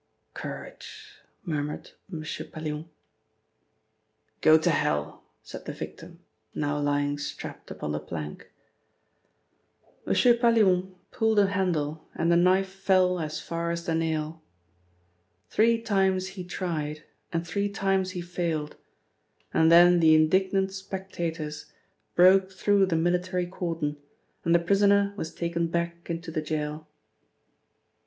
"Courage!" murmured M. Pallion. "Go to hell!" said the victim, now lying strapped upon the plank. M. Pallion pulled a handle and the knife fell as far as the nail. Three times he tried and three times he failed, and then the indignant spectators broke through the military cordon, and the prisoner was taken back into the gaol.